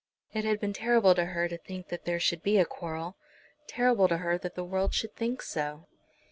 It had been terrible to her to think that there should be a quarrel, terrible to her that the world should think so.